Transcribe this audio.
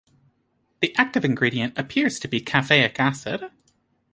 The active ingredient appears to be caffeic acid.